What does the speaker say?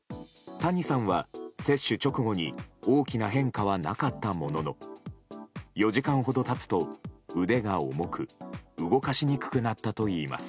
谷さんは接種直後に大きな変化はなかったものの４時間ほど経つと、腕が重く動かしにくくなったといいます。